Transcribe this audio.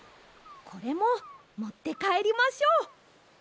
これももってかえりましょう。